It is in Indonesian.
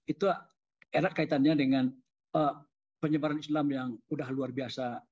itu enak kaitannya dengan penyebaran islam yang udah luar biasa